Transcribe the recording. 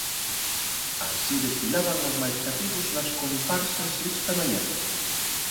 Así desfilaban os máis cativos nas comparsas esta mañá.